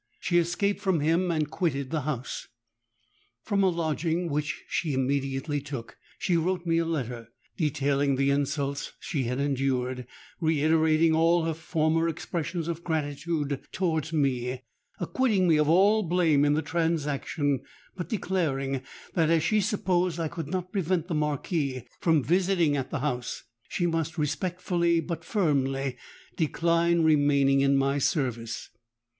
She escaped from him, and quitted the house. From a lodging which she immediately took, she wrote me a letter, detailing the insults she had endured, reiterating all her former expressions of gratitude towards me, acquitting me of all blame in the transaction, but declaring that, as she supposed I could not prevent the Marquis from visiting at the house, she must respectfully but firmly decline remaining in my service.